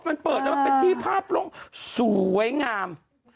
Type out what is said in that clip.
มันเปิดได้ว่าเป็นที่ภาพลงสวยงาม